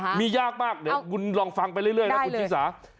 เดี๋ยวคุณลองฟังไปเรื่อยนะคุณชีสา